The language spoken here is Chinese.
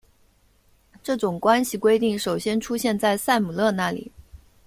这种关系规定首先出现在塞姆勒那里。